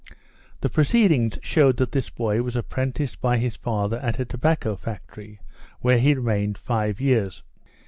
The proceedings showed that this boy was apprenticed by his father at a tobacco factory, where he remained five years.